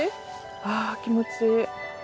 ああ気持ちいい。